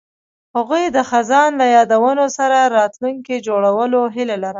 هغوی د خزان له یادونو سره راتلونکی جوړولو هیله لرله.